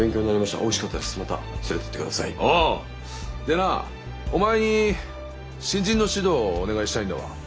でなお前に新人の指導をお願いしたいんだわ。